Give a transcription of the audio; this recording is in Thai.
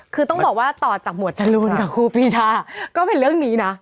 คือต้องบอกว่าต่อจากหมวดจรูนกับครูปีชาก็เป็นเรื่องนี้นะ